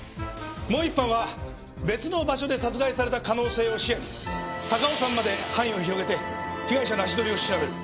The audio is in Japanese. もう一班は別の場所で殺害された可能性を視野に高尾山まで範囲を広げて被害者の足取りを調べる。